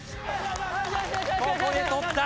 ここで取った。